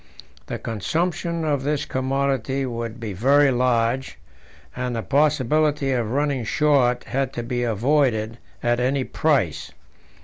The consumption of this commodity would be very large, and the possibility of running short had to be avoided at any price.